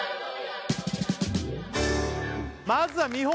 まずは見本